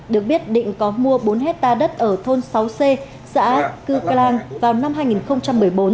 được biết định có mua bốn hectare đất ở thôn sáu c xã cư clang vào năm hai nghìn một mươi bốn